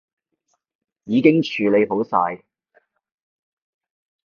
已經處理好晒